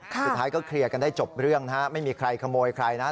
สุดท้ายก็เคลียร์กันได้จบเรื่องนะฮะ